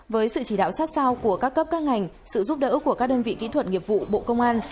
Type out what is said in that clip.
với sự chỉ đạo sát sao của các cấp các ngành sự giúp đỡ của các đơn vị kỹ thuật nghiệp vụ bộ công an